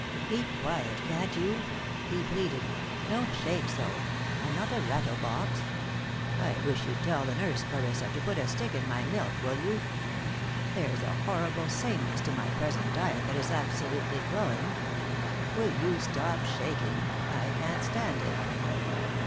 "Keep quiet, can't you?" he pleaded. "Don't shake so! I'm not a rattle box. I wish you'd tell the nurse, Clarissa, to put a stick in my milk, will you? There's a horrible sameness to my present diet that is absolutely cloying. Will you stop shaking? I can't stand it."